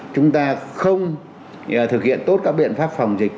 chúng ta không thực hiện tốt các biện pháp phòng dịch